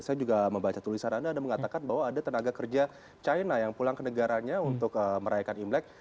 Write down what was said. saya juga membaca tulisan anda anda mengatakan bahwa ada tenaga kerja china yang pulang ke negaranya untuk merayakan imlek